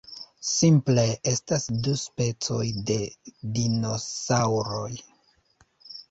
Simple estas du specoj de dinosaŭroj.